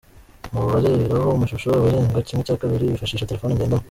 Mu bareberaho amashusho abarenga kimwe cya kabiri bifashisha telefoni ngendanwa.